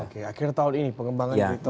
oke akhir tahun ini pengembangan dari tolon